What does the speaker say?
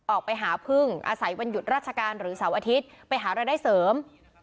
ออกไปหาพึ่งอาศัยวันหยุดราชการหรือเสาร์อาทิตย์ไปหารายได้เสริม